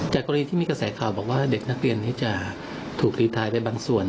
กรณีที่มีกระแสข่าวบอกว่าเด็กนักเรียนนี้จะถูกรีไทนไปบางส่วน